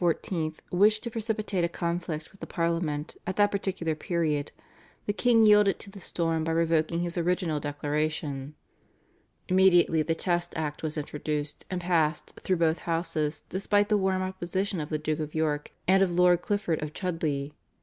wished to precipitate a conflict with the Parliament at that particular period, the king yielded to the storm by revoking his original declaration. Immediately the Test Act was introduced and passed through both houses despite the warm opposition of the Duke of York and of Lord Clifford of Chudleigh.